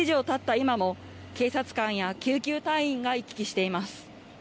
今も、警察官や救急隊員が行き来しています。